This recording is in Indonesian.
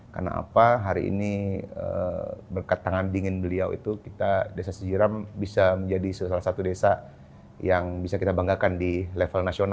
karena apa hari ini berkat tangan dingin beliau itu kita desa sejiram bisa menjadi salah satu desa yang bisa kita banggakan di level nasional ya